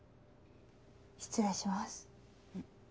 失礼します。